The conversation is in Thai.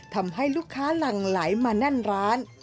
ทำให้ลูกค้าหลั่งไหลมาแน่นร้าน